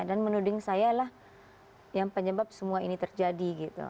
dan menuding saya lah yang penyebab semua ini terjadi gitu